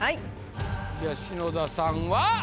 じゃあ篠田さんは。